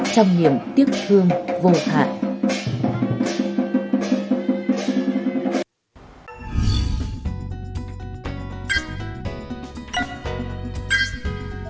trong niềm tiếc thương vô hạn